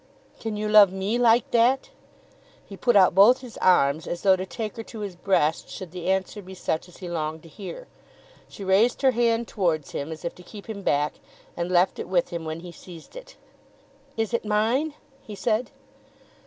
"Can you love me like that?" He put out both his arms as though to take her to his breast should the answer be such as he longed to hear. She raised her hand towards him, as if to keep him back, and left it with him when he seized it. "Is it mine?" he said.